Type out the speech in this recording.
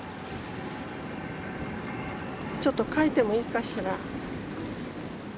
ちょっと描いてもいいかしら。